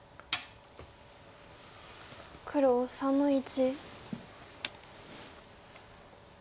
黒３の一。